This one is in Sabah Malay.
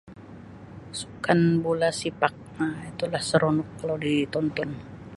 Sukan Bola sepak Um itu lah seronok kalau di tonton.